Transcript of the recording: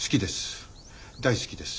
好きです。